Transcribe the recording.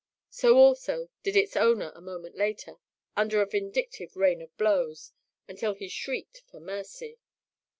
So also did its owner a moment later, under a vindictive rain of blows, until he shrieked for mercy.